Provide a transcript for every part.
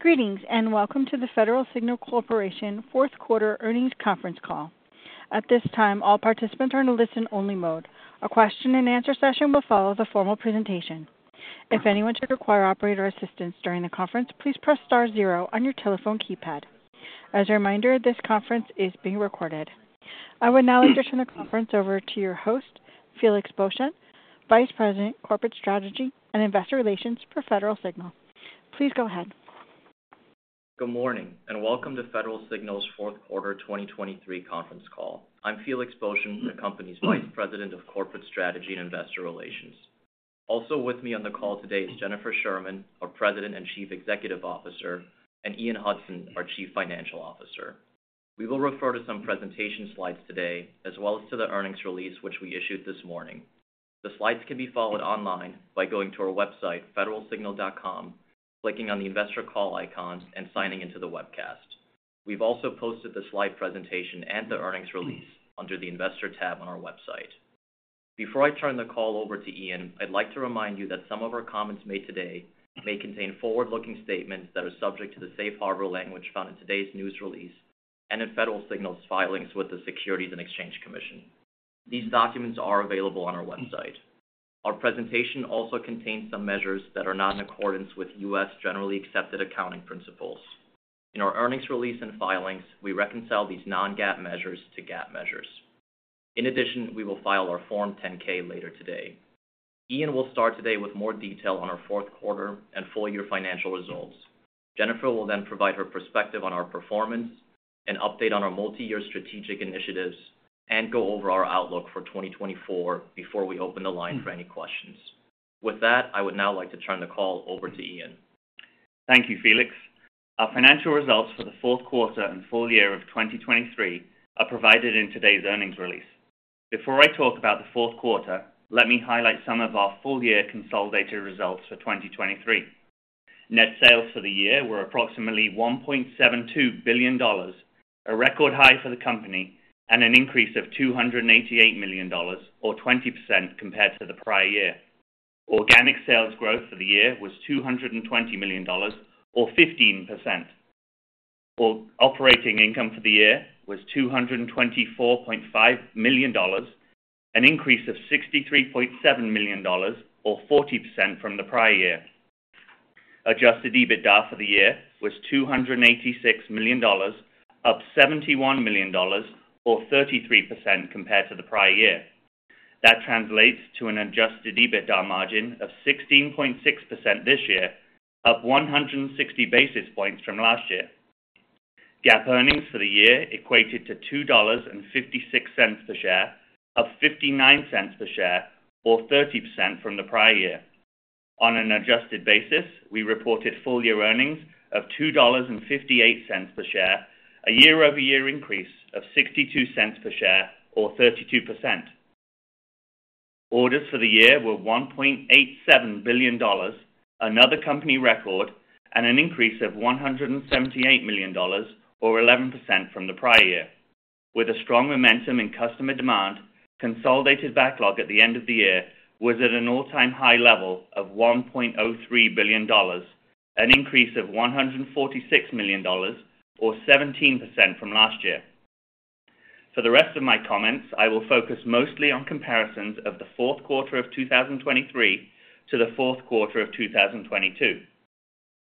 Greetings and welcome to the Federal Signal Corporation fourth-quarter earnings conference call. At this time, all participants are in a listen-only mode. A question-and-answer session will follow the formal presentation. If anyone should require operator assistance during the conference, please press star zero on your telephone keypad. As a reminder, this conference is being recorded. I would now like to turn the conference over to your host, Felix Boeschen, Vice President, Corporate Strategy and Investor Relations for Federal Signal. Please go ahead. Good morning and welcome to Federal Signal's fourth-quarter 2023 conference call. I'm Felix Boeschen, the company's Vice President of Corporate Strategy and Investor Relations. Also with me on the call today is Jennifer Sherman, our President and Chief Executive Officer, and Ian Hudson, our Chief Financial Officer. We will refer to some presentation slides today, as well as to the earnings release which we issued this morning. The slides can be followed online by going to our website, federalsignal.com, clicking on the Investor Call icon, and signing into the webcast. We've also posted the slide presentation and the earnings release under the Investor tab on our website. Before I turn the call over to Ian, I'd like to remind you that some of our comments made today may contain forward-looking statements that are subject to the safe harbor language found in today's news release and in Federal Signal's filings with the Securities and Exchange Commission. These documents are available on our website. Our presentation also contains some measures that are not in accordance with U.S. generally accepted accounting principles. In our earnings release and filings, we reconcile these non-GAAP measures to GAAP measures. In addition, we will file our Form 10-K later today. Ian will start today with more detail on our fourth-quarter and full-year financial results. Jennifer will then provide her perspective on our performance and update on our multi-year strategic initiatives and go over our outlook for 2024 before we open the line for any questions. With that, I would now like to turn the call over to Ian. Thank you, Felix. Our financial results for the fourth quarter and full year of 2023 are provided in today's earnings release. Before I talk about the fourth quarter, let me highlight some of our full-year consolidated results for 2023. Net sales for the year were approximately $1.72 billion, a record high for the company, and an increase of $288 million, or 20% compared to the prior year. Organic sales growth for the year was $220 million, or 15%. Operating income for the year was $224.5 million, an increase of $63.7 million, or 40% from the prior year. Adjusted EBITDA for the year was $286 million, up $71 million, or 33% compared to the prior year. That translates to an adjusted EBITDA margin of 16.6% this year, up 160 basis points from last year. GAAP earnings for the year equated to $2.56 per share, up $0.59 per share, or 30% from the prior year. On an adjusted basis, we reported full-year earnings of $2.58 per share, a year-over-year increase of $0.62 per share, or 32%. Orders for the year were $1.87 billion, another company record, and an increase of $178 million, or 11% from the prior year. With a strong momentum in customer demand, consolidated backlog at the end of the year was at an all-time high level of $1.03 billion, an increase of $146 million, or 17% from last year. For the rest of my comments, I will focus mostly on comparisons of the fourth quarter of 2023 to the fourth quarter of 2022.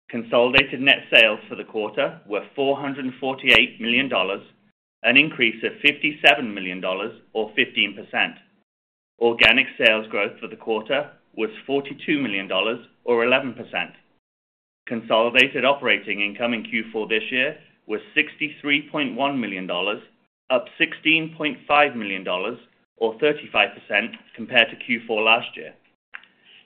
Consolidated net sales for the quarter were $448 million, an increase of $57 million, or 15%. Organic sales growth for the quarter was $42 million, or 11%. Consolidated operating income in Q4 this year was $63.1 million, up $16.5 million, or 35% compared to Q4 last year.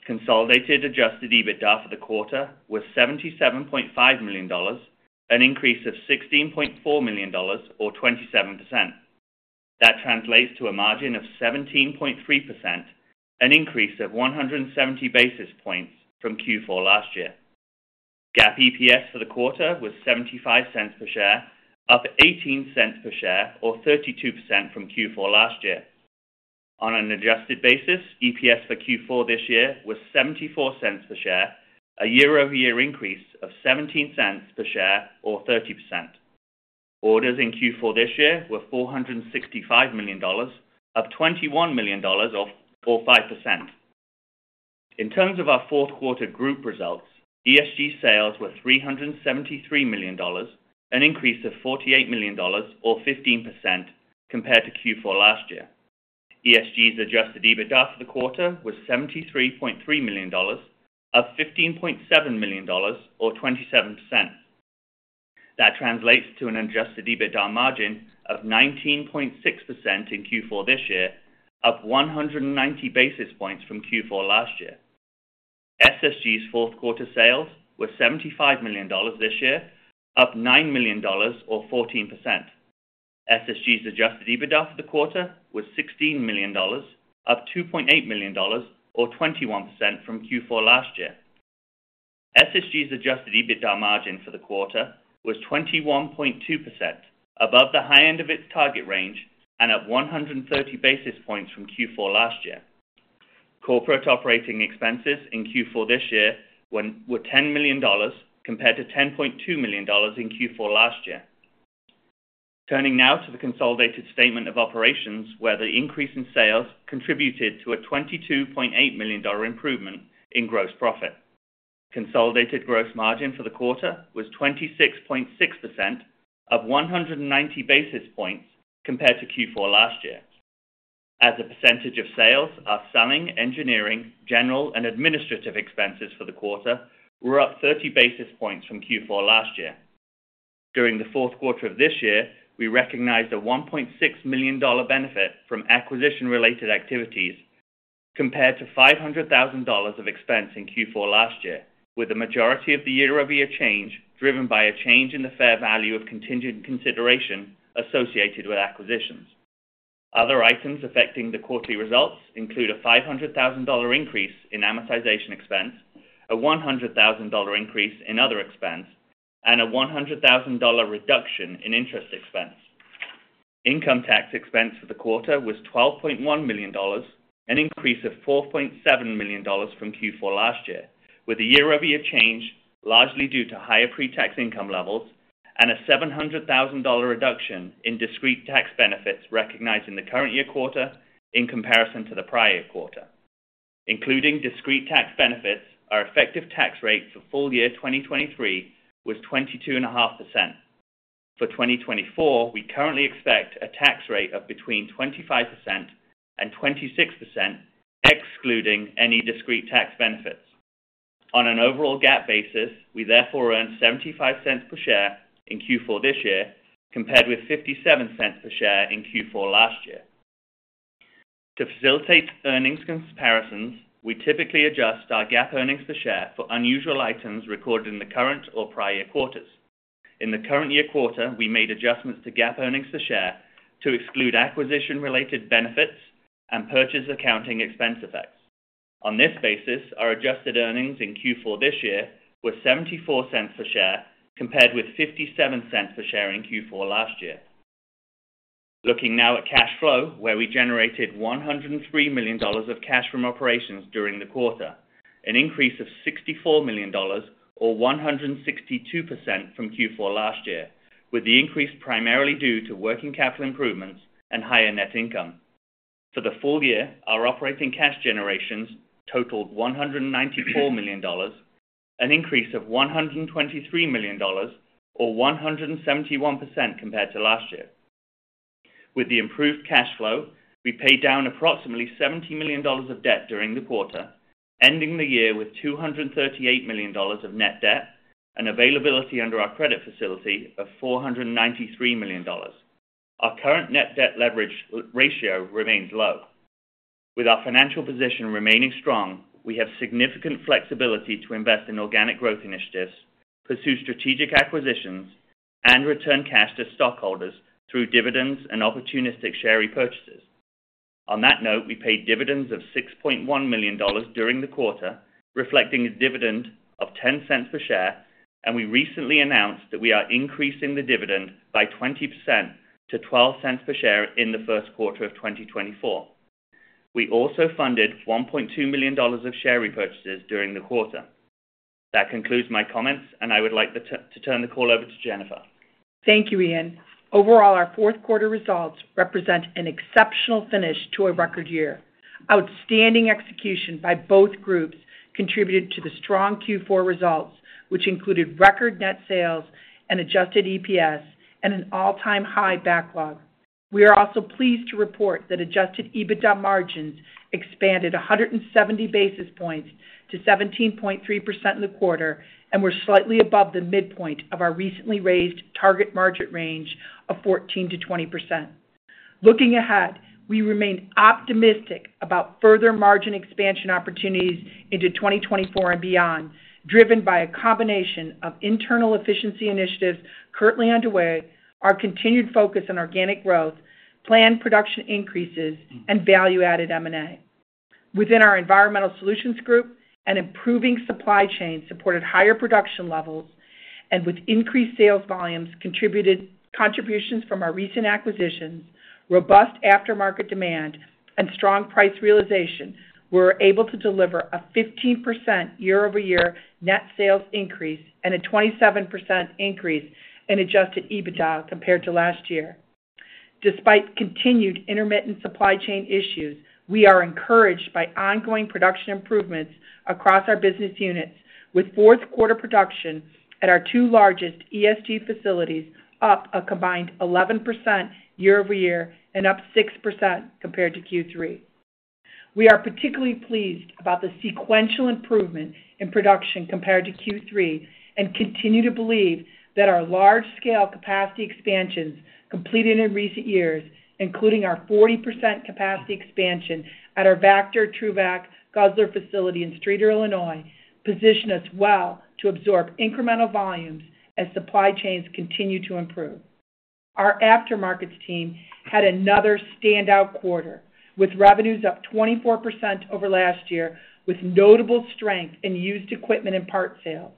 Consolidated adjusted EBITDA for the quarter was $77.5 million, an increase of $16.4 million, or 27%. That translates to a margin of 17.3%, an increase of 170 basis points from Q4 last year. GAAP EPS for the quarter was $0.75 per share, up $0.18 per share, or 32% from Q4 last year. On an adjusted basis, EPS for Q4 this year was $0.74 per share, a year-over-year increase of $0.17 per share, or 30%. Orders in Q4 this year were $465 million, up $21 million, or 5%. In terms of our fourth-quarter group results, ESG sales were $373 million, an increase of $48 million, or 15% compared to Q4 last year. ESG's adjusted EBITDA for the quarter was $73.3 million, up $15.7 million, or 27%. That translates to an adjusted EBITDA margin of 19.6% in Q4 this year, up 190 basis points from Q4 last year. SSG's fourth-quarter sales were $75 million this year, up $9 million, or 14%. SSG's adjusted EBITDA for the quarter was $16 million, up $2.8 million, or 21% from Q4 last year. SSG's adjusted EBITDA margin for the quarter was 21.2%, above the high end of its target range and up 130 basis points from Q4 last year. Corporate operating expenses in Q4 this year were $10 million compared to $10.2 million in Q4 last year. Turning now to the consolidated statement of operations, where the increase in sales contributed to a $22.8 million improvement in gross profit. Consolidated gross margin for the quarter was 26.6%, up 190 basis points compared to Q4 last year. As a percentage of sales, our selling, engineering, general, and administrative expenses for the quarter were up 30 basis points from Q4 last year. During the fourth quarter of this year, we recognized a $1.6 million benefit from acquisition-related activities compared to $500,000 of expense in Q4 last year, with the majority of the year-over-year change driven by a change in the fair value of contingent consideration associated with acquisitions. Other items affecting the quarterly results include a $500,000 increase in amortization expense, a $100,000 increase in other expense, and a $100,000 reduction in interest expense. Income tax expense for the quarter was $12.1 million, an increase of $4.7 million from Q4 last year, with a year-over-year change largely due to higher pre-tax income levels and a $700,000 reduction in discrete tax benefits recognized in the current year quarter in comparison to the prior year. Including discrete tax benefits, our effective tax rate for full year 2023 was 22.5%. For 2024, we currently expect a tax rate of between 25% and 26%, excluding any discrete tax benefits. On an overall GAAP basis, we therefore earned $0.75 per share in Q4 this year compared with $0.57 per share in Q4 last year. To facilitate earnings comparisons, we typically adjust our GAAP earnings per share for unusual items recorded in the current or prior year quarters. In the current year quarter, we made adjustments to GAAP earnings per share to exclude acquisition-related benefits and purchase accounting expense effects. On this basis, our adjusted earnings in Q4 this year were $0.74 per share compared with $0.57 per share in Q4 last year. Looking now at cash flow, where we generated $103 million of cash from operations during the quarter, an increase of $64 million, or 162% from Q4 last year, with the increase primarily due to working capital improvements and higher net income. For the full year, our operating cash generations totaled $194 million, an increase of $123 million, or 171% compared to last year. With the improved cash flow, we paid down approximately $70 million of debt during the quarter, ending the year with $238 million of net debt and availability under our credit facility of $493 million. Our current net debt leverage ratio remains low. With our financial position remaining strong, we have significant flexibility to invest in organic growth initiatives, pursue strategic acquisitions, and return cash to stockholders through dividends and opportunistic share repurchases. On that note, we paid dividends of $6.1 million during the quarter, reflecting a dividend of $0.10 per share, and we recently announced that we are increasing the dividend by 20% to $0.12 per share in the first quarter of 2024. We also funded $1.2 million of share repurchases during the quarter. That concludes my comments, and I would like to turn the call over to Jennifer. Thank you, Ian. Overall, our fourth-quarter results represent an exceptional finish to a record year. Outstanding execution by both groups contributed to the strong Q4 results, which included record net sales and adjusted EPS and an all-time high backlog. We are also pleased to report that adjusted EBITDA margins expanded 170 basis points to 17.3% in the quarter and were slightly above the midpoint of our recently raised target margin range of 14%-20%. Looking ahead, we remain optimistic about further margin expansion opportunities into 2024 and beyond, driven by a combination of internal efficiency initiatives currently underway, our continued focus on organic growth, planned production increases, and value-added M&A. Within our Environmental Solutions Group, an improving supply chain supported higher production levels, and with increased sales volumes, contributions from our recent acquisitions, robust aftermarket demand, and strong price realization, we were able to deliver a 15% year-over-year net sales increase and a 27% increase in Adjusted EBITDA compared to last year. Despite continued intermittent supply chain issues, we are encouraged by ongoing production improvements across our business units, with fourth-quarter production at our two largest ESG facilities up a combined 11% year-over-year and up 6% compared to Q3. We are particularly pleased about the sequential improvement in production compared to Q3 and continue to believe that our large-scale capacity expansions completed in recent years, including our 40% capacity expansion at our Vactor/TRUVAC/Guzzler facility in Streator, Illinois, position us well to absorb incremental volumes as supply chains continue to improve. Our aftermarkets team had another standout quarter, with revenues up 24% over last year, with notable strength in used equipment and part sales.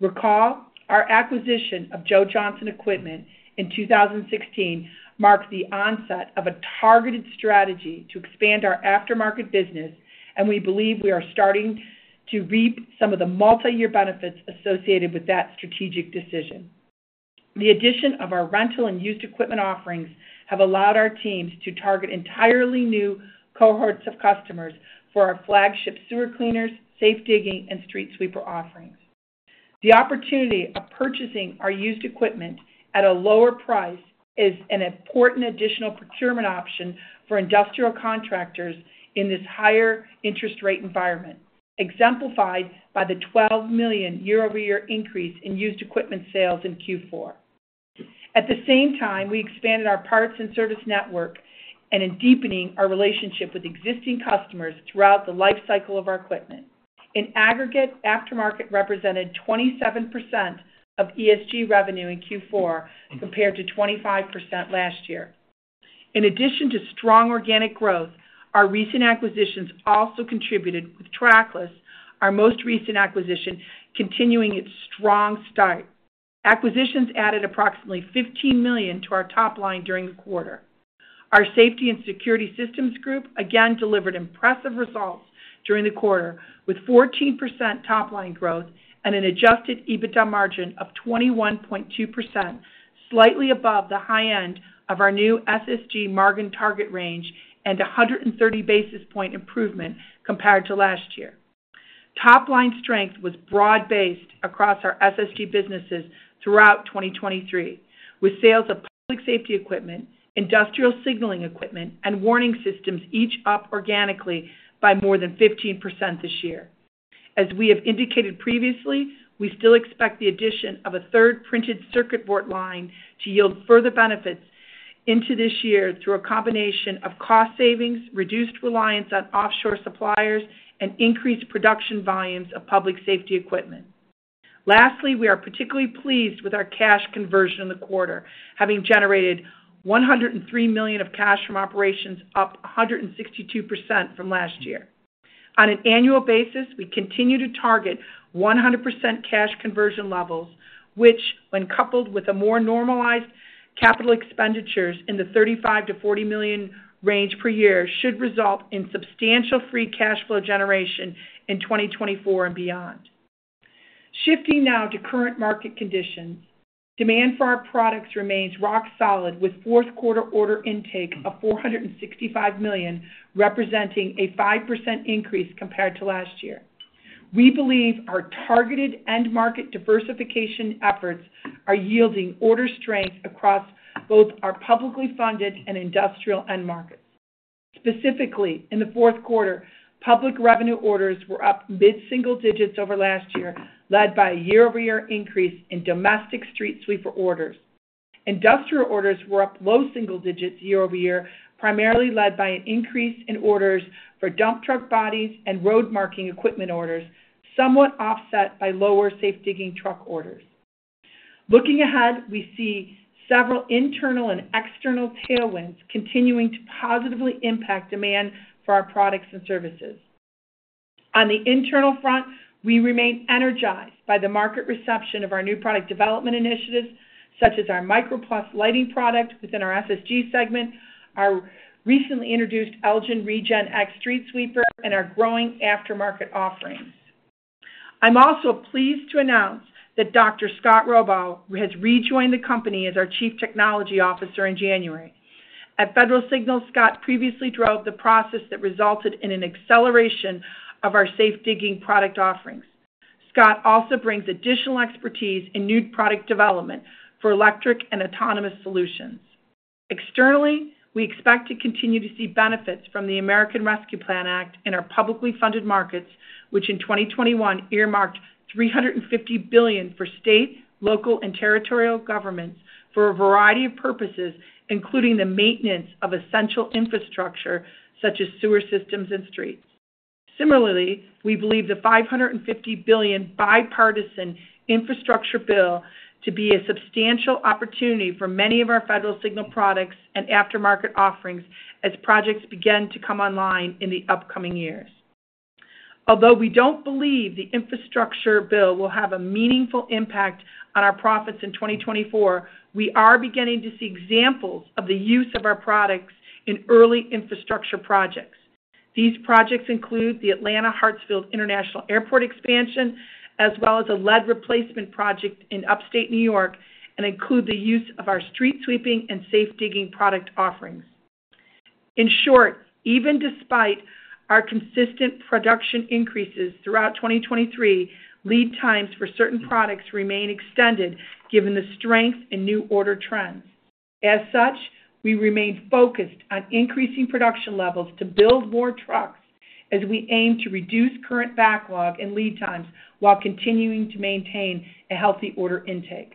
Recall, our acquisition of Joe Johnson Equipment in 2016 marked the onset of a targeted strategy to expand our aftermarket business, and we believe we are starting to reap some of the multi-year benefits associated with that strategic decision. The addition of our rental and used equipment offerings has allowed our teams to target entirely new cohorts of customers for our flagship sewer cleaners, safe digging, and street sweeper offerings. The opportunity of purchasing our used equipment at a lower price is an important additional procurement option for industrial contractors in this higher interest rate environment, exemplified by the $12 million year-over-year increase in used equipment sales in Q4. At the same time, we expanded our parts and service network and in deepening our relationship with existing customers throughout the lifecycle of our equipment. In aggregate, aftermarket represented 27% of ESG revenue in Q4 compared to 25% last year. In addition to strong organic growth, our recent acquisitions also contributed, with Trackless, our most recent acquisition, continuing its strong start. Acquisitions added approximately $15 million to our top line during the quarter. Our Safety and Security Systems Group again delivered impressive results during the quarter, with 14% top line growth and an adjusted EBITDA margin of 21.2%, slightly above the high end of our new SSG margin target range and 130 basis point improvement compared to last year. Top line strength was broad-based across our SSG businesses throughout 2023, with sales of public safety equipment, industrial signaling equipment, and warning systems each up organically by more than 15% this year. As we have indicated previously, we still expect the addition of a third printed circuit board line to yield further benefits into this year through a combination of cost savings, reduced reliance on offshore suppliers, and increased production volumes of public safety equipment. Lastly, we are particularly pleased with our cash conversion in the quarter, having generated $103 million of cash from operations, up 162% from last year. On an annual basis, we continue to target 100% cash conversion levels, which, when coupled with more normalized capital expenditures in the $35 million-$40 million range per year, should result in substantial free cash flow generation in 2024 and beyond. Shifting now to current market conditions, demand for our products remains rock solid, with fourth-quarter order intake of $465 million representing a 5% increase compared to last year. We believe our targeted end market diversification efforts are yielding order strength across both our publicly funded and industrial end markets. Specifically, in the fourth quarter, public revenue orders were up mid-single digits over last year, led by a year-over-year increase in domestic street sweeper orders. Industrial orders were up low single digits year-over-year, primarily led by an increase in orders for dump truck bodies and road marking equipment orders, somewhat offset by lower safe digging truck orders. Looking ahead, we see several internal and external tailwinds continuing to positively impact demand for our products and services. On the internal front, we remain energized by the market reception of our new product development initiatives, such as our MicroPluse lighting product within our SSG segment, our recently introduced Elgin RegenX street sweeper, and our growing aftermarket offerings. I'm also pleased to announce that Dr. Scott Rohrbaugh has rejoined the company as our Chief Technology Officer in January. At Federal Signal, Scott previously drove the process that resulted in an acceleration of our safe digging product offerings. Scott also brings additional expertise in new product development for electric and autonomous solutions. Externally, we expect to continue to see benefits from the American Rescue Plan Act in our publicly funded markets, which in 2021 earmarked $350 billion for state, local, and territorial governments for a variety of purposes, including the maintenance of essential infrastructure such as sewer systems and streets. Similarly, we believe the $550 billion Bipartisan Infrastructure Bill to be a substantial opportunity for many of our Federal Signal products and aftermarket offerings as projects begin to come online in the upcoming years. Although we don't believe the infrastructure bill will have a meaningful impact on our profits in 2024, we are beginning to see examples of the use of our products in early infrastructure projects. These projects include the Atlanta Hartsfield-Jackson International Airport expansion, as well as a lead replacement project in upstate New York, and include the use of our street sweeping and safe digging product offerings. In short, even despite our consistent production increases throughout 2023, lead times for certain products remain extended given the strength in new order trends. As such, we remain focused on increasing production levels to build more trucks as we aim to reduce current backlog and lead times while continuing to maintain a healthy order intake.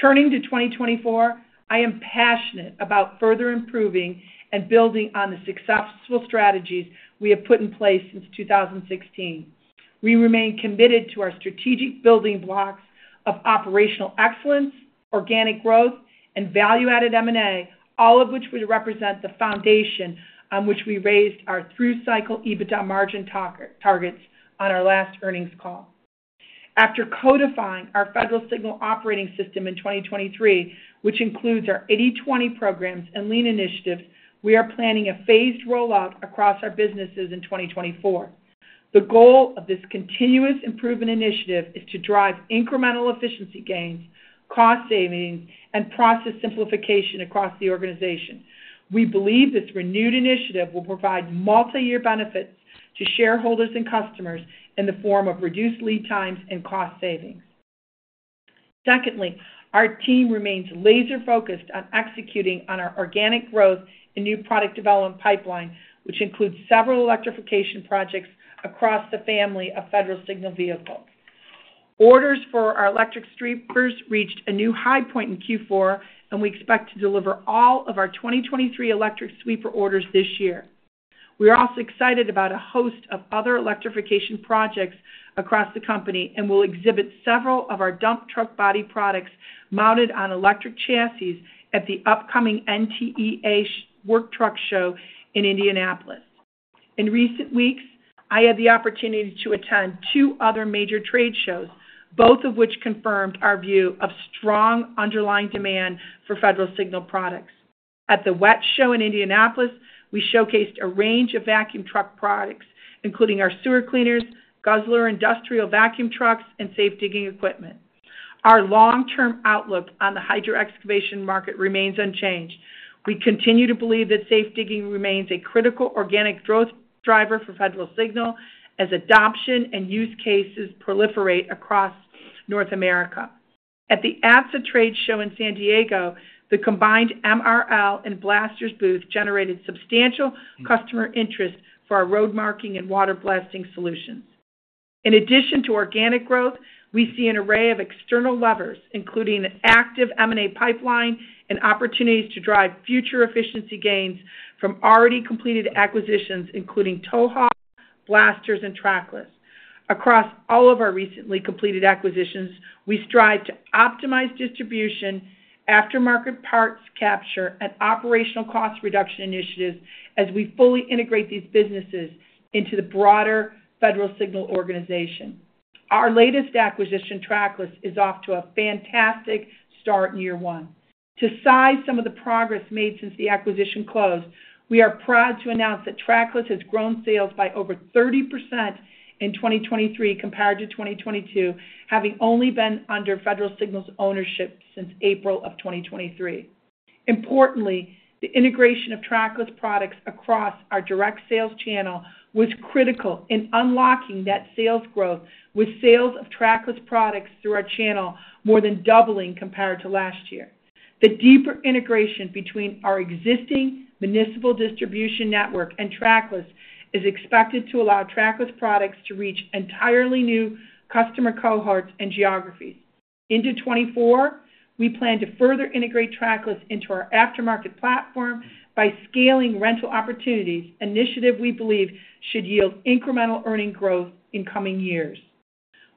Turning to 2024, I am passionate about further improving and building on the successful strategies we have put in place since 2016. We remain committed to our strategic building blocks of operational excellence, organic growth, and value-added M&A, all of which would represent the foundation on which we raised our through-cycle EBITDA margin targets on our last earnings call. After codifying our Federal Signal operating system in 2023, which includes our 80/20 programs and Lean initiatives, we are planning a phased rollout across our businesses in 2024. The goal of this continuous improvement initiative is to drive incremental efficiency gains, cost savings, and process simplification across the organization. We believe this renewed initiative will provide multi-year benefits to shareholders and customers in the form of reduced lead times and cost savings. Secondly, our team remains laser-focused on executing on our organic growth and new product development pipeline, which includes several electrification projects across the family of Federal Signal vehicles. Orders for our electric sweepers reached a new high point in Q4, and we expect to deliver all of our 2023 electric sweeper orders this year. We are also excited about a host of other electrification projects across the company and will exhibit several of our dump truck body products mounted on electric chassis at the upcoming NTEA Work Truck Show in Indianapolis. In recent weeks, I had the opportunity to attend two other major trade shows, both of which confirmed our view of strong underlying demand for Federal Signal products. At the WWETT Show in Indianapolis, we showcased a range of vacuum truck products, including our sewer cleaners, Guzzler industrial vacuum trucks, and safe digging equipment. Our long-term outlook on the hydro excavation market remains unchanged. We continue to believe that safe digging remains a critical organic growth driver for Federal Signal as adoption and use cases proliferate across North America. At the ATSSA Trade Show in San Diego, the combined MRL and Blasters booth generated substantial customer interest for our road marking and water blasting solutions. In addition to organic growth, we see an array of external levers, including an active M&A pipeline and opportunities to drive future efficiency gains from already completed acquisitions, including TowHaul, Blasters, and Trackless. Across all of our recently completed acquisitions, we strive to optimize distribution, aftermarket parts capture, and operational cost reduction initiatives as we fully integrate these businesses into the broader Federal Signal organization. Our latest acquisition, Trackless, is off to a fantastic start in year one. To size some of the progress made since the acquisition closed, we are proud to announce that Trackless has grown sales by over 30% in 2023 compared to 2022, having only been under Federal Signal's ownership since April of 2023. Importantly, the integration of Trackless products across our direct sales channel was critical in unlocking that sales growth, with sales of Trackless products through our channel more than doubling compared to last year. The deeper integration between our existing municipal distribution network and Trackless is expected to allow Trackless products to reach entirely new customer cohorts and geographies. Into 2024, we plan to further integrate Trackless into our aftermarket platform by scaling rental opportunities, an initiative we believe should yield incremental earnings growth in coming years.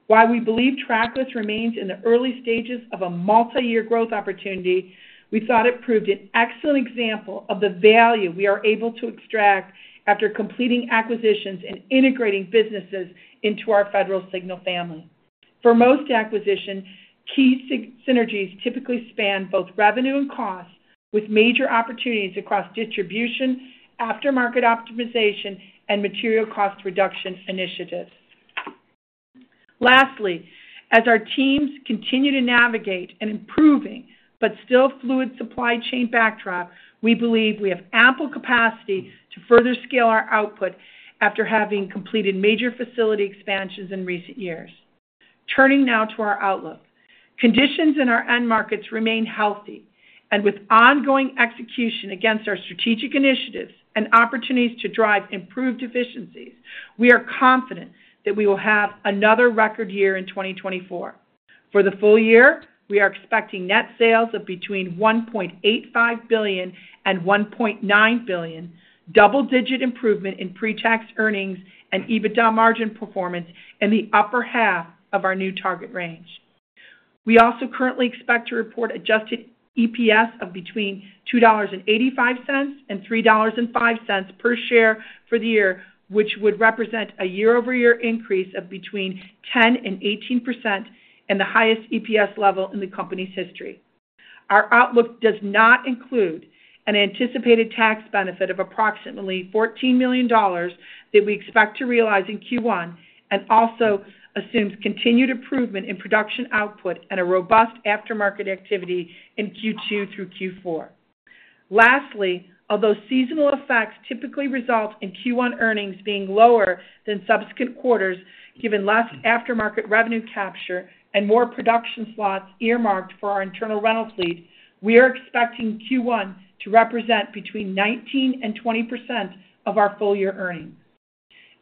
While we believe Trackless remains in the early stages of a multi-year growth opportunity, we thought it proved an excellent example of the value we are able to extract after completing acquisitions and integrating businesses into our Federal Signal family. For most acquisitions, key synergies typically span both revenue and cost, with major opportunities across distribution, aftermarket optimization, and material cost reduction initiatives. Lastly, as our teams continue to navigate an improving but still fluid supply chain backdrop, we believe we have ample capacity to further scale our output after having completed major facility expansions in recent years. Turning now to our outlook, conditions in our end markets remain healthy, and with ongoing execution against our strategic initiatives and opportunities to drive improved efficiencies, we are confident that we will have another record year in 2024. For the full year, we are expecting net sales of between $1.85 billion and $1.9 billion, double-digit improvement in pre-tax earnings and EBITDA margin performance in the upper half of our new target range. We also currently expect to report adjusted EPS of between $2.85 and $3.05 per share for the year, which would represent a year-over-year increase of between 10% and 18%, and the highest EPS level in the company's history. Our outlook does not include an anticipated tax benefit of approximately $14 million that we expect to realize in Q1 and also assumes continued improvement in production output and a robust aftermarket activity in Q2 through Q4. Lastly, although seasonal effects typically result in Q1 earnings being lower than subsequent quarters, given less aftermarket revenue capture and more production slots earmarked for our internal rental fleet, we are expecting Q1 to represent between 19%-20% of our full-year earnings.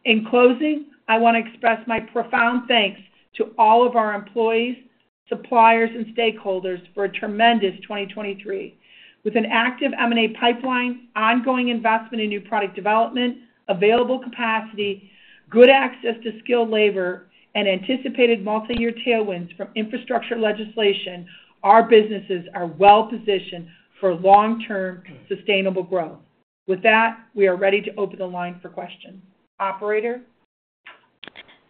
In closing, I want to express my profound thanks to all of our employees, suppliers, and stakeholders for a tremendous 2023. With an active M&A pipeline, ongoing investment in new product development, available capacity, good access to skilled labor, and anticipated multi-year tailwinds from infrastructure legislation, our businesses are well-positioned for long-term sustainable growth. With that, we are ready to open the line for questions. Operator.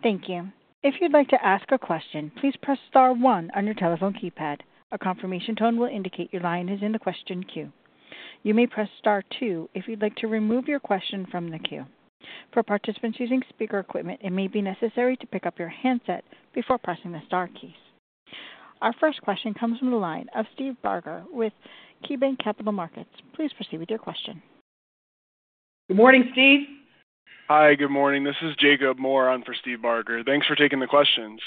Thank you. If you'd like to ask a question, please press star one on your telephone keypad. A confirmation tone will indicate your line is in the question queue. You may press star two if you'd like to remove your question from the queue. For participants using speaker equipment, it may be necessary to pick up your handset before pressing the star keys. Our first question comes from the line of Steve Barger with KeyBanc Capital Markets. Please proceed with your question. Good morning, Steve. Hi, good morning. This is Jacob Moore. I'm for Steve Barger. Thanks for taking the questions.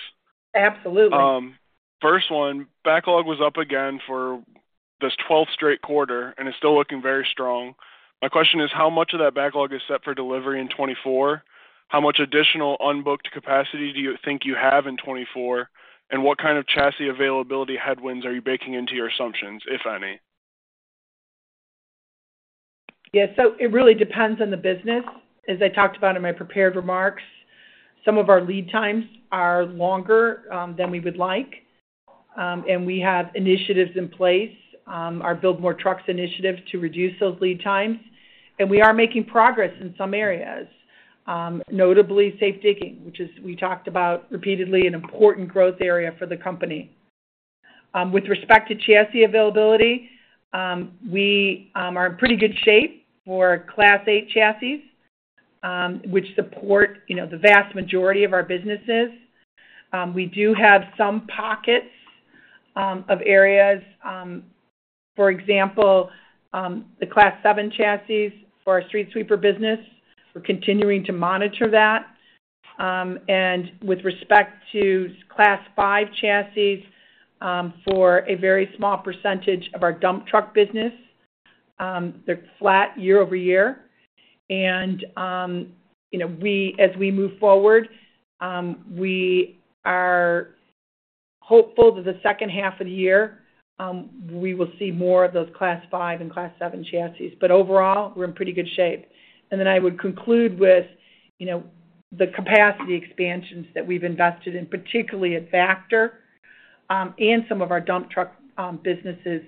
Absolutely. First one, backlog was up again for this 12th straight quarter, and it's still looking very strong. My question is, how much of that backlog is set for delivery in 2024? How much additional unbooked capacity do you think you have in 2024, and what kind of chassis availability headwinds are you baking into your assumptions, if any? Yeah. So it really depends on the business. As I talked about in my prepared remarks, some of our lead times are longer than we would like, and we have initiatives in place, our Build More Trucks initiative to reduce those lead times. We are making progress in some areas, notably safe digging, which is, we talked about repeatedly, an important growth area for the company. With respect to chassis availability, we are in pretty good shape for class 8 chassis, which support the vast majority of our businesses. We do have some pockets of areas. For example, the class 7 chassis for our street sweeper business, we're continuing to monitor that. With respect to class 5 chassis for a very small percentage of our dump truck business, they're flat year over year. As we move forward, we are hopeful that the second half of the year, we will see more of those Class 5 and Class 7 chassis. But overall, we're in pretty good shape. And then I would conclude with the capacity expansions that we've invested in, particularly at Vactor and some of our dump truck businesses.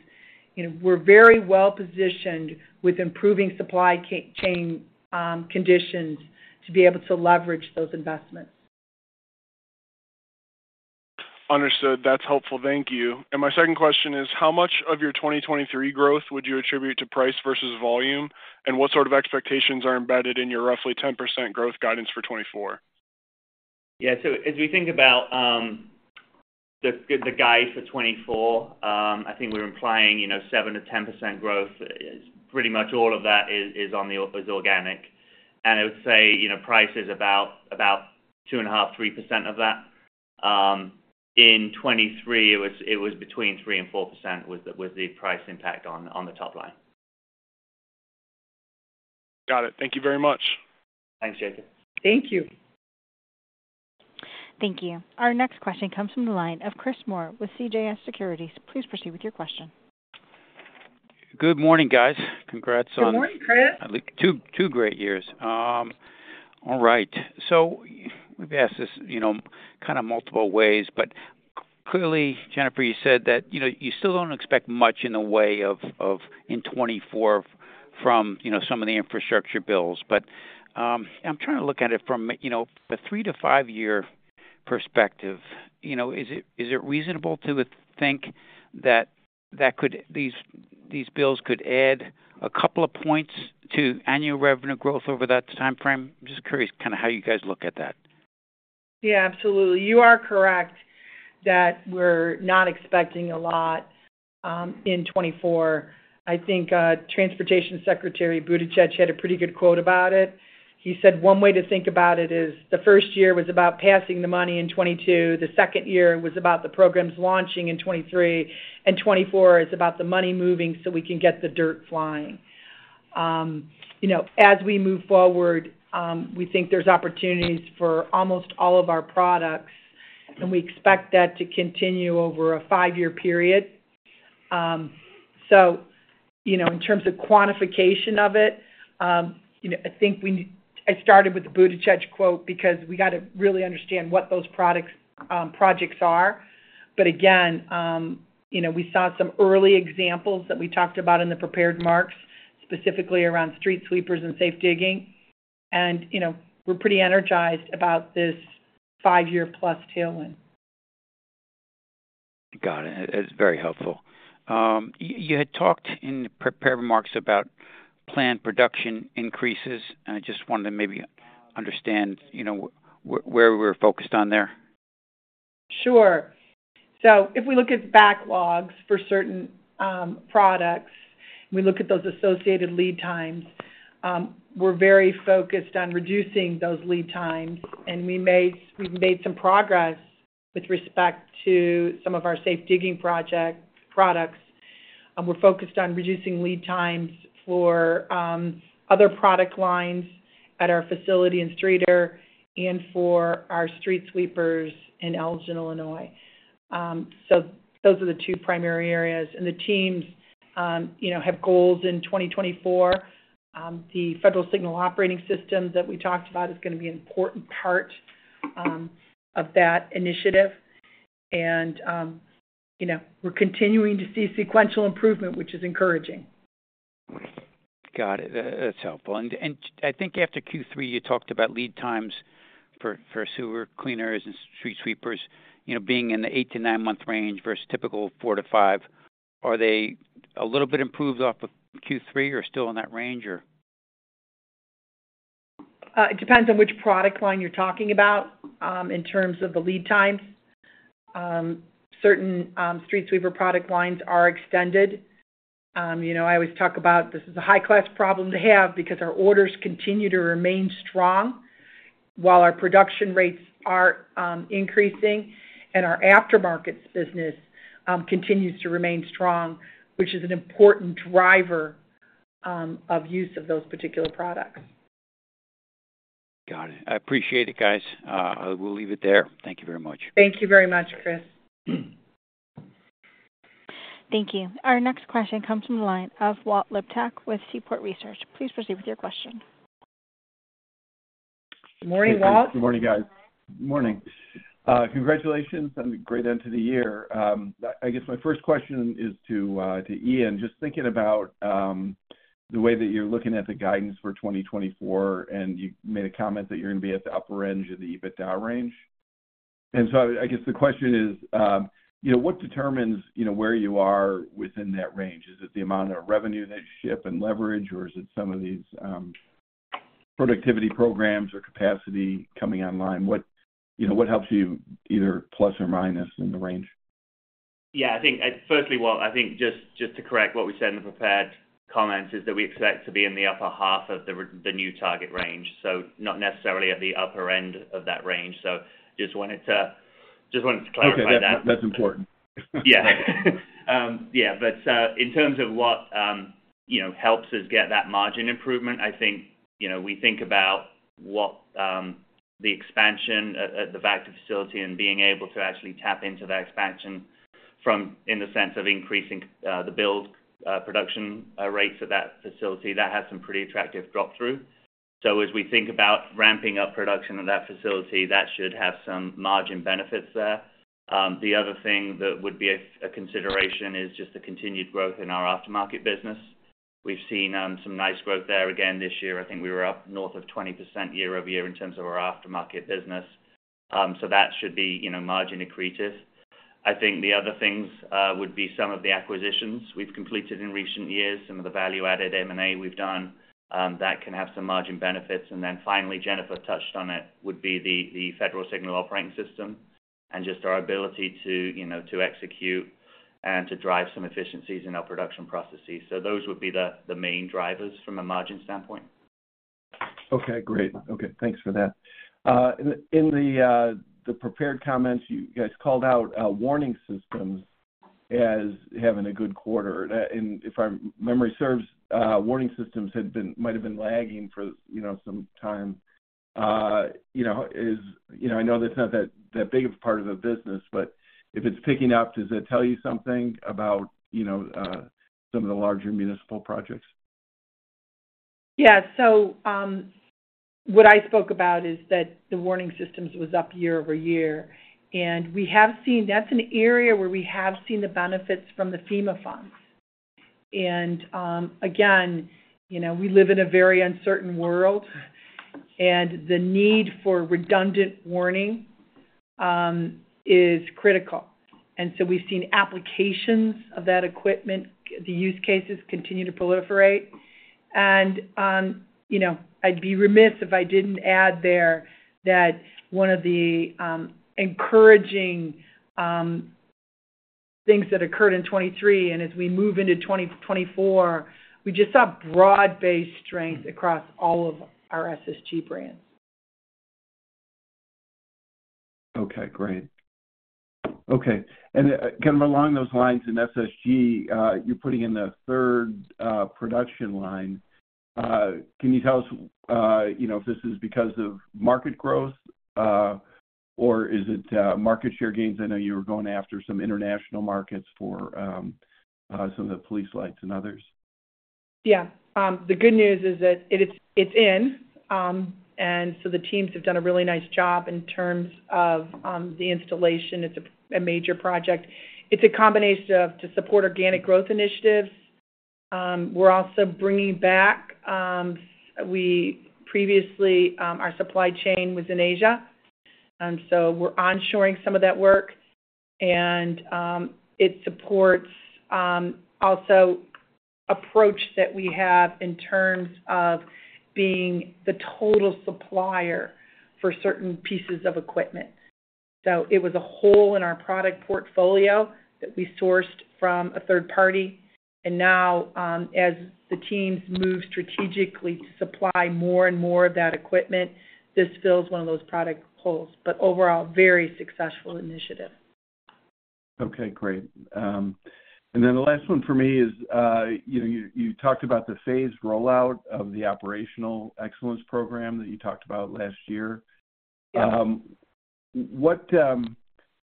We're very well-positioned with improving supply chain conditions to be able to leverage those investments. Understood. That's helpful. Thank you. And my second question is, how much of your 2023 growth would you attribute to price versus volume, and what sort of expectations are embedded in your roughly 10% growth guidance for 2024? Yeah. So as we think about the guide for 2024, I think we're implying 7%-10% growth. Pretty much all of that is organic. I would say price is about 2.5%-3% of that. In 2023, it was between 3% and 4% was the price impact on the top line. Got it. Thank you very much. Thanks, Jacob. Thank you. Thank you. Our next question comes from the line of Chris Moore with CJS Securities. Please proceed with your question. Good morning, guys. Congrats on. Good morning, Chris. Two great years. All right. So we've asked this kind of multiple ways, but clearly, Jennifer, you said that you still don't expect much in the way of in 2024 from some of the infrastructure bills. But I'm trying to look at it from a three-to-five-year perspective. Is it reasonable to think that these bills could add a couple of points to annual revenue growth over that timeframe? I'm just curious kind of how you guys look at that. Yeah, absolutely. You are correct that we're not expecting a lot in 2024. I think Transportation Secretary Buttigieg had a pretty good quote about it. He said one way to think about it is the first year was about passing the money in 2022, the second year was about the programs launching in 2023, and 2024 is about the money moving so we can get the dirt flying. As we move forward, we think there's opportunities for almost all of our products, and we expect that to continue over a five-year period. So in terms of quantification of it, I think we started with the Buttigieg quote because we got to really understand what those projects are. But again, we saw some early examples that we talked about in the prepared remarks, specifically around street sweepers and safe digging. And we're pretty energized about this five-year-plus tailwind. Got it. That's very helpful. You had talked in the prepared remarks about planned production increases. I just wanted to maybe understand where we were focused on there. Sure. So if we look at backlogs for certain products, we look at those associated lead times, we're very focused on reducing those lead times. And we've made some progress with respect to some of our safe digging products. We're focused on reducing lead times for other product lines at our facility in Streator and for our street sweepers in Elgin, Illinois. So those are the two primary areas. And the teams have goals in 2024. The Federal Signal operating system that we talked about is going to be an important part of that initiative. And we're continuing to see sequential improvement, which is encouraging. Got it. That's helpful. And I think after Q3, you talked about lead times for sewer cleaners and street sweepers being in the eight to nine-month range versus typical four to five. Are they a little bit improved off of Q3 or still in that range, or? It depends on which product line you're talking about in terms of the lead times. Certain street sweeper product lines are extended. I always talk about this is a high-class problem to have because our orders continue to remain strong while our production rates are increasing and our aftermarkets business continues to remain strong, which is an important driver of use of those particular products. Got it. I appreciate it, guys. We'll leave it there. Thank you very much. Thank you very much. Thank you. Our next question comes from the line of Walt Liptak with Seaport Research. Please proceed with your question. Good morning, Walt. Good morning, guys. Good morning. Congratulations on the great end to the year. I guess my first question is to Ian, just thinking about the way that you're looking at the guidance for 2024, and you made a comment that you're going to be at the upper end of the EBITDA range. And so I guess the question is, what determines where you are within that range? Is it the amount of revenue that you ship and leverage, or is it some of these productivity programs or capacity coming online? What helps you either plus or minus in the range? Yeah. Firstly, Walt, I think just to correct what we said in the prepared comments is that we expect to be in the upper half of the new target range, so not necessarily at the upper end of that range. So I just wanted to clarify that. Okay. That's important. Yeah. Yeah. But in terms of what helps us get that margin improvement, I think we think about the expansion at the Vactor facility and being able to actually tap into that expansion in the sense of increasing the build production rates at that facility. That has some pretty attractive drop-through. So as we think about ramping up production at that facility, that should have some margin benefits there. The other thing that would be a consideration is just the continued growth in our aftermarket business. We've seen some nice growth there. Again, this year, I think we were up north of 20% year-over-year in terms of our aftermarket business. So that should be margin accretive. I think the other things would be some of the acquisitions we've completed in recent years, some of the value-added M&A we've done. That can have some margin benefits. And then finally, Jennifer touched on it, would be the Federal Signal Operating System and just our ability to execute and to drive some efficiencies in our production processes. So those would be the main drivers from a margin standpoint. Okay. Great. Okay. Thanks for that. In the prepared comments, you guys called out warning systems as having a good quarter. And if my memory serves, warning systems might have been lagging for some time. I know that's not that big of a part of the business, but if it's picking up, does that tell you something about some of the larger municipal projects? Yeah. So what I spoke about is that the warning systems was up year-over-year. And we have seen that's an area where we have seen the benefits from the FEMA funds. And again, we live in a very uncertain world, and the need for redundant warning is critical. And so we've seen applications of that equipment, the use cases continue to proliferate. And I'd be remiss if I didn't add there that one of the encouraging things that occurred in 2023 and as we move into 2024, we just saw broad-based strength across all of our SSG brands. Okay. Great. Okay. And kind of along those lines in SSG, you're putting in the third production line. Can you tell us if this is because of market growth, or is it market share gains? I know you were going after some international markets for some of the police lights and others. Yeah. The good news is that it's in. And so the teams have done a really nice job in terms of the installation. It's a major project. It's a combination of to support organic growth initiatives. We're also bringing back our supply chain was in Asia. And so we're onshoring some of that work. And it supports also an approach that we have in terms of being the total supplier for certain pieces of equipment. So it was a hole in our product portfolio that we sourced from a third party. And now, as the teams move strategically to supply more and more of that equipment, this fills one of those product holes, but overall, very successful initiative. Okay. Great. And then the last one for me is you talked about the phased rollout of the operational excellence program that you talked about last year.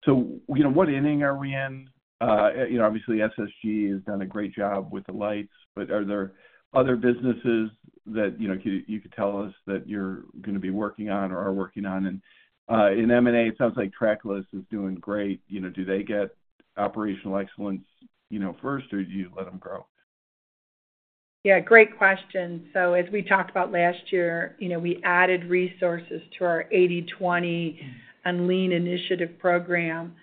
So what inning are we in? Obviously, SSG has done a great job with the lights, but are there other businesses that you could tell us that you're going to be working on or are working on? And in M&A, it sounds like Trackless is doing great. Do they get operational excellence first, or do you let them grow? Yeah. Great question. So as we talked about last year, we added resources to our 80/20 and Lean initiative program.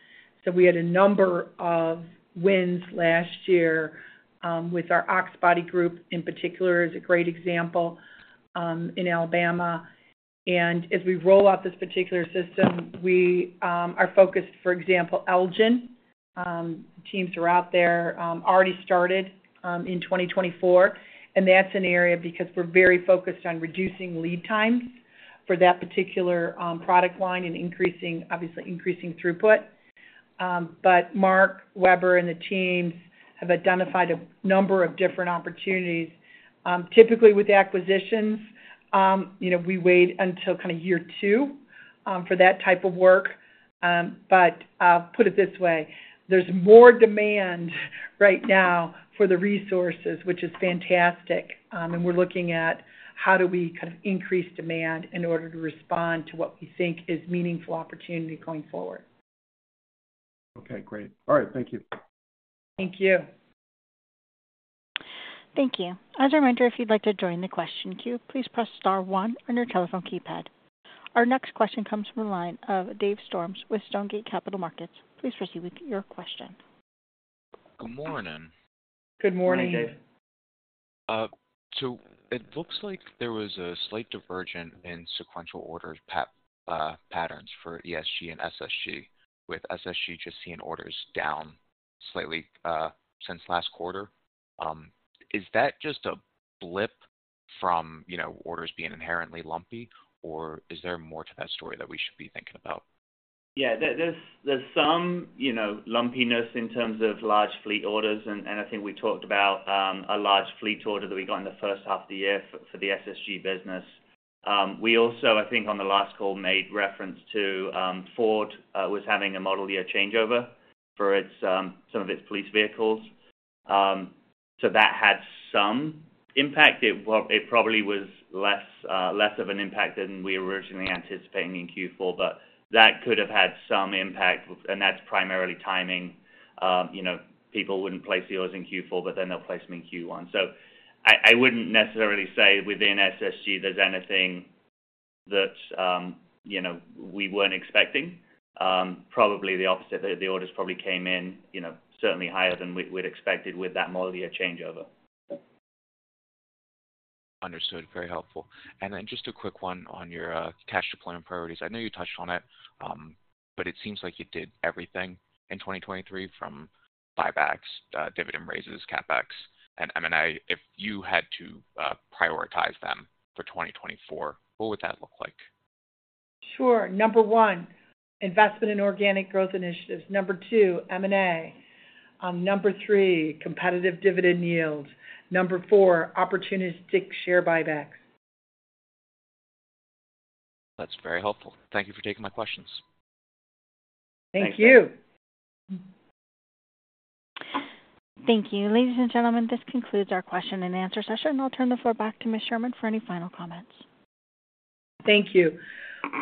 So we had a number of wins last year with our Ox Bodies Group in particular as a great example in Alabama. And as we roll out this particular system, we are focused, for example, Elgin. The teams are out there, already started in 2024. And that's an area because we're very focused on reducing lead times for that particular product line and obviously increasing throughput. But Mark Weber and the teams have identified a number of different opportunities. Typically, with acquisitions, we wait until kind of year two for that type of work. But I'll put it this way. There's more demand right now for the resources, which is fantastic. And we're looking at how do we kind of increase demand in order to respond to what we think is meaningful opportunity going forward. Okay. Great. All right. Thank you. Thank you. Thank you. As a reminder, if you'd like to join the question queue, please press star one on your telephone keypad. Our next question comes from the line of Dave Storms with Stonegate Capital Markets. Please proceed with your question. Good morning. Good morning Dave. So it looks like there was a slight divergence in sequential order patterns for ESG and SSG, with SSG just seeing orders down slightly since last quarter. Is that just a blip from orders being inherently lumpy, or is there more to that story that we should be thinking about? Yeah. There's some lumpiness in terms of large fleet orders. And I think we talked about a large fleet order that we got in the first half of the year for the SSG business. We also, I think, on the last call made reference to Ford was having a model year changeover for some of its police vehicles. So that had some impact. It probably was less of an impact than we originally anticipated in Q4, but that could have had some impact. And that's primarily timing. People wouldn't place the orders in Q4, but then they'll place them in Q1. So I wouldn't necessarily say within SSG, there's anything that we weren't expecting. Probably the opposite. The orders probably came in certainly higher than we'd expected with that model year changeover. Understood. Very helpful. And then just a quick one on your cash deployment priorities. I know you touched on it, but it seems like you did everything in 2023 from buybacks, dividend raises, CapEx, and M&A. If you had to prioritize them for 2024, what would that look like? Sure. Number one, investment in organic growth initiatives. Number two, M&A. Number three, competitive dividend yield. Number four, opportunistic share buybacks. That's very helpful. Thank you for taking my questions. Thank you. Thank you. Ladies and gentlemen, this concludes our question-and-answer session. I'll turn the floor back to Ms. Sherman for any final comments. Thank you.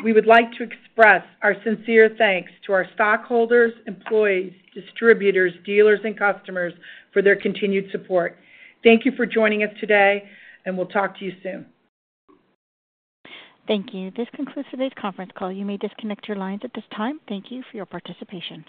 We would like to express our sincere thanks to our stockholders, employees, distributors, dealers, and customers for their continued support. Thank you for joining us today, and we'll talk to you soon. Thank you. This concludes today's conference call. You may disconnect your lines at this time. Thank you for your participation.